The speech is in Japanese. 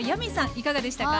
いかがでしたか。